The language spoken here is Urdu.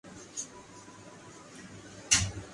ستمبر میں ملکی برمدات فیصد بڑھ گئیں